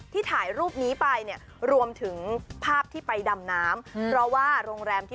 ถ่ายรูปนี้ไปเนี่ยรวมถึงภาพที่ไปดำน้ำเพราะว่าโรงแรมที่